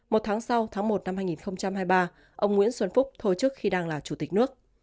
một tháng sau tháng một năm hai nghìn hai mươi ba ông nguyễn xuân phúc thôi chức khi đang là chủ tịch nước